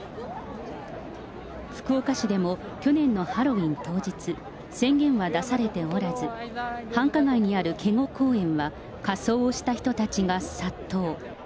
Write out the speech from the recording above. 福岡市でも去年のハロウィーン当日、宣言は出されておらず、繁華街にある警固公園は仮装をした人たちが殺到。